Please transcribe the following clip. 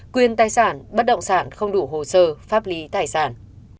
quyền tài sản bất động sản không đủ hồ sơ pháp lý tài sản